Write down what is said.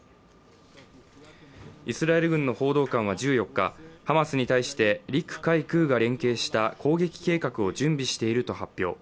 イスラエル軍の報道官は１４日ハマスに対して陸海空が連携した攻撃計画を準備していると発表。